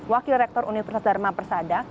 wakil rektor universitas dharma persada